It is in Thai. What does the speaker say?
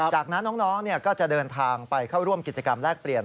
จากนั้นน้องก็จะเดินทางไปเข้าร่วมกิจกรรมแลกเปลี่ยน